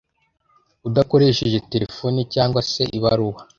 udakoresheje telefone cyangwa se ibaruwa